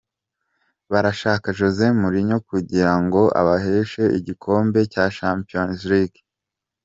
Baraashaka Jose Mourinho kugira ngo abaheshe igikombe cya Champions League.